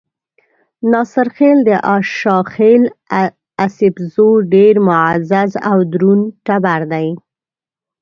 ناصرخېل د اشاخېل ايسپزو ډېر معزز او درون ټبر دے۔